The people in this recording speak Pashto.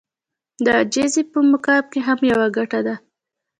د عاجزي په مقام کې هم يوه ګټه ده.